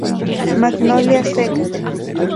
Magnolia sect.